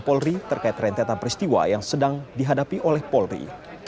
polri terkait rentetan peristiwa yang sedang dihadapi oleh polri